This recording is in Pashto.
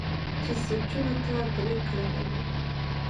چې سوچونو ته برېک لګوي